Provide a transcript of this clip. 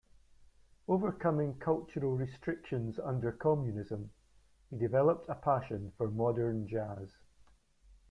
Overcoming cultural restrictions under communism, he developed a passion for modern jazz.